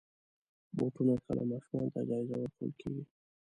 بوټونه کله ماشومانو ته جایزه ورکول کېږي.